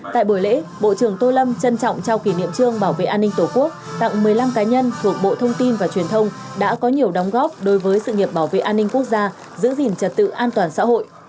tại buổi lễ bộ trưởng tô lâm trân trọng trao kỷ niệm trương bảo vệ an ninh tổ quốc tặng một mươi năm cá nhân thuộc bộ thông tin và truyền thông đã có nhiều đóng góp đối với sự nghiệp bảo vệ an ninh quốc gia giữ gìn trật tự an toàn xã hội